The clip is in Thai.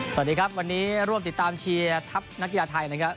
สวัสดีครับวันนี้ร่วมติดตามเชียร์ทัพนักกีฬาไทยนะครับ